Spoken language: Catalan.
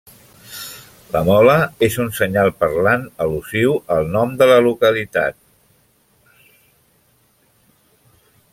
La mola és un senyal parlant al·lusiu al nom de la localitat.